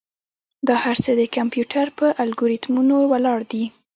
دا هر څه د کمپیوټر پر الگوریتمونو ولاړ دي.